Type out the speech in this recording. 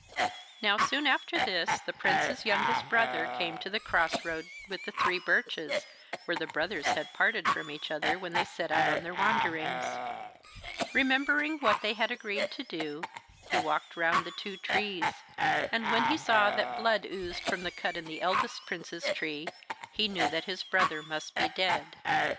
Now soon after this the prince's youngest brother came to the cross roads with the three birches, where the brothers had parted from each other when they set out on their wanderings. Remembering what they had agreed to do, he walked round the two trees, and when he saw that blood oozed from the cut in the eldest prince's tree he knew that his brother must be dead.